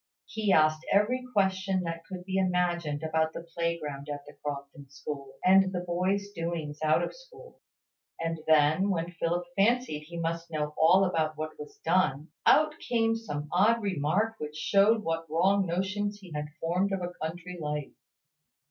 He asked every question that could be imagined about the playground at the Crofton school, and the boys' doings out of school; and then, when Philip fancied he must know all about what was done, out came some odd remark which showed what wrong notions he had formed of a country life.